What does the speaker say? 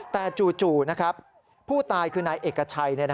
แต่จู่ผู้ตายคือนายเอกชัย